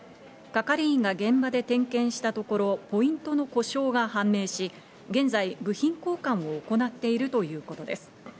係員が現場で点検したところ、ポイントの故障が判明し、現在、部品交換を行っているということです。